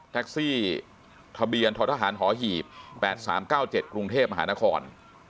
แท็กซี่ทะเบียนททหารหอหีบ๘๓๙๗กรุงเทพมหานคร